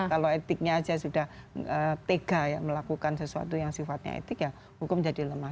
kalau etiknya aja sudah tega ya melakukan sesuatu yang sifatnya etik ya hukum jadi lemah